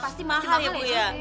pasti mahal ya bu ya